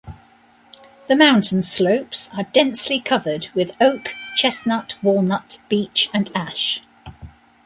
The mountain slopes are densely covered with oak, chestnut, walnut, beech, and ash.